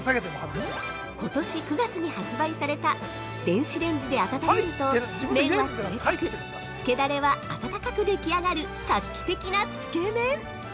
◆ことし９月に発売された電子レンジで温めると麺は冷たくつけダレは温たかく出来上がる画期的なつけ麺。